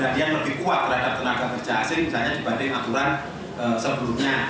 jadi yang lebih kuat terhadap tenaga kerja asing misalnya dibanding aturan sebelumnya